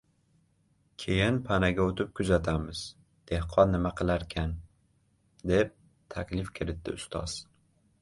Keyin panaga oʻtib kuzatamiz, dehqon nima qilarkan?” deb taklif kiritdi ustoz.